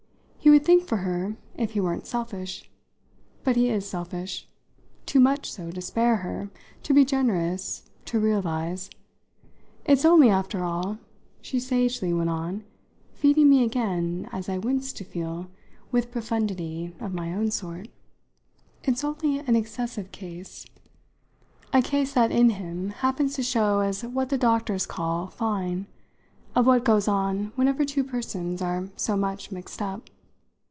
He would think for her if he weren't selfish. But he is selfish too much so to spare her, to be generous, to realise. It's only, after all," she sagely went on, feeding me again, as I winced to feel, with profundity of my own sort, "it's only an excessive case, a case that in him happens to show as what the doctors call 'fine,' of what goes on whenever two persons are so much mixed up.